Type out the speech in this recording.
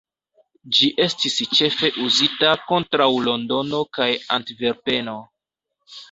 Ĝi estis ĉefe uzita kontraŭ Londono kaj Antverpeno.